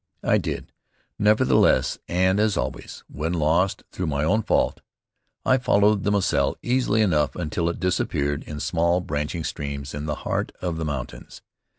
I did, nevertheless, and as always, when lost, through my own fault. I followed the Moselle easily enough until it disappeared in small branching streams in the heart of the mountains.